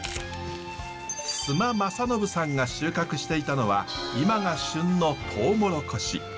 栖間雅信さんが収穫していたのは今が旬のトウモロコシ。